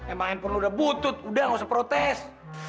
emang handphone lu udah butut udah ga usah protes